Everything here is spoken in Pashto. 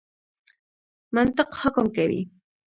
منطق حکم کوي.